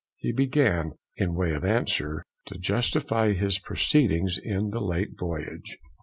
He began, in way of answer, to justify his proceedings in the late voyage.